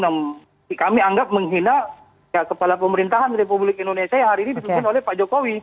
nah kami anggap menghina kepala pemerintahan republik indonesia yang hari ini dipimpin oleh pak jokowi